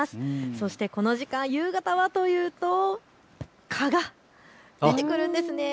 そして、この時間夕方はというと蚊が出てくるんですね。